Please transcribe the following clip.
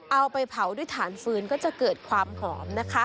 เอาไปเผาด้วยฐานฟืนก็จะเกิดความหอมนะคะ